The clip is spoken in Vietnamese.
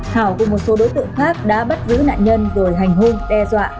hảo cùng một số đối tượng khác đã bắt giữ nạn nhân rồi hành hôn đe dọa